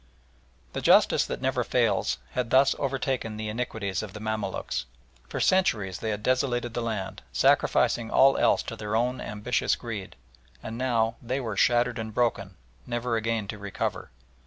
The justice that never fails had thus overtaken the iniquities of the Mamaluks. For centuries they had desolated the land, sacrificing all else to their own ambitious greed, and now they were "shattered and broken," never again to recover.